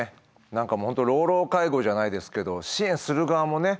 何かもう本当老老介護じゃないですけど支援する側もね